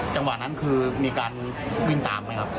จังหวะนั้นคือมีการวิ่งตามไหมครับ